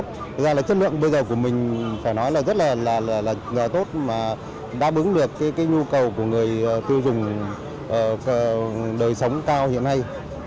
thực ra là chất lượng bây giờ của mình phải nói là rất là tốt mà đáp ứng được cái nhu cầu của người tiêu dùng đời sống cao hiện nay